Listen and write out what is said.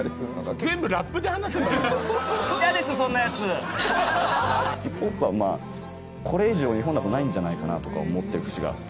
ヒップホップはこれ以上日本だとないんじゃないかなとか思ってる節があって。